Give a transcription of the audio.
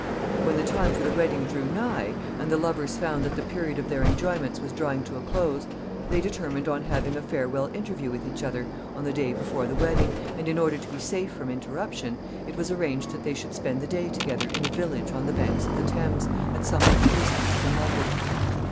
] When the time for the wedding drew nigh, and the lovers found that the period of their enjoyments was drawing to a close, they determined on having a farewell interview with each other on the day before the wedding, and in order to be safe from interruption, it was arranged that they should spend the day together in a village on the banks of the Thames, at some little distance from London.